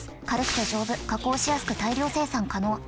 軽くて丈夫加工しやすく大量生産可能。